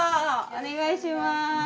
お願いしまーす。